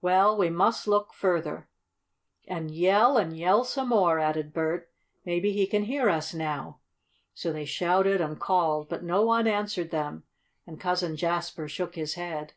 Well, we must look further." "And yell and yell some more," added Bert. "Maybe he can hear us now." So they shouted and called, but no one answered them, and Cousin Jasper shook his head.